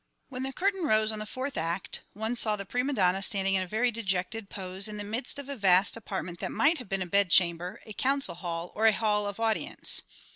When the curtain rose on the fourth act one saw the prima donna standing in a very dejected pose in the midst of a vast apartment that might have been a bedchamber, a council hall, or a hall of audience.